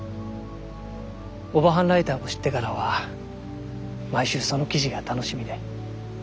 オバハンライターを知ってからは毎週その記事が楽しみで。